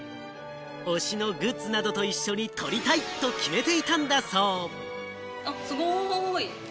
推しのグッズなどと一緒に撮りたいと決めていたんだそう。